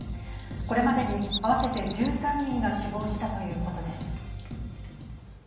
これまでに合わせて１３人が死亡したということです。